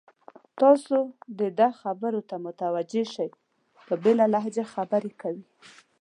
تاسې د ده خبرو ته متوجه شئ، په بېله لهجه خبرې کوي.